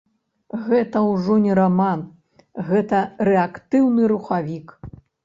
Гэта ўжо не раман, гэта рэактыўны рухавік!